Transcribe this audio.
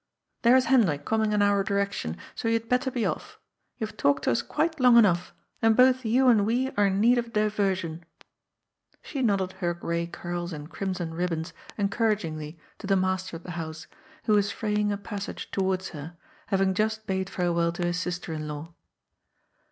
There is Hendrik coming in our direction, and so you had better be off. You have talked to us quite long enough, and both you and we are in need of a diversion." She nodded her gray curls and crimson ribbons encour A STRANGE DUCK IN TEE POND. 311 agingly to the master of the house, who was fraying a pas sage towards her, having just bade farewell to his sister in law.